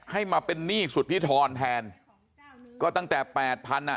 ให้มาเป็นหนี้สุธิธรแทนก็ตั้งแต่แปดพันอ่ะ